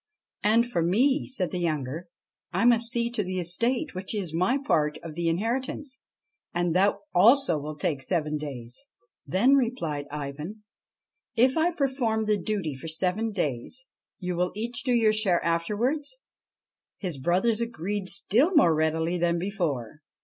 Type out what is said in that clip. ' And for me,' said the younger, ' I must see to the estate which is my part of the inheritance, and that also will take seven days.' ' Then,' replied Ivan, ' if I perform the duty for seven days, you will each do your share afterwards ?' His brothers agreed still more readily than before.